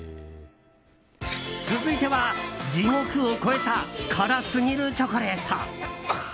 続いては、地獄を超えた辛すぎるチョコレート。